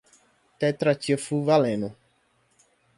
tetratiafulvaleno